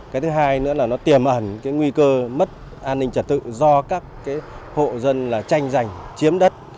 cái thứ hai nữa là nó tiềm ẩn cái nguy cơ mất an ninh trật tự do các hộ dân tranh giành chiếm đất